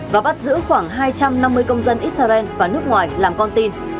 và bắt giữ khoảng hai trăm năm mươi công dân israel và nước ngoài làm con tin